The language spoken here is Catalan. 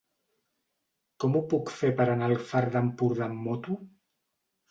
Com ho puc fer per anar al Far d'Empordà amb moto?